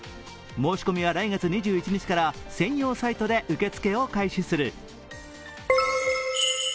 申し込みは来月２１日から専用サイトで受付を開始する。